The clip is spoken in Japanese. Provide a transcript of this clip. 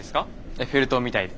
エッフェル塔みたいで。